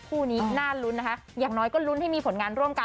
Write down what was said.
คู่นี้น่าลุ้นนะคะอย่างน้อยก็ลุ้นให้มีผลงานร่วมกัน